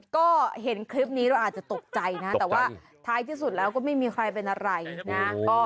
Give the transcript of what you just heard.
ก็เห็นคลิปนี้เราอาจจะตกใจนะแต่ว่าท้ายที่สุดแล้วก็ไม่มีใครเป็นอะไรนะ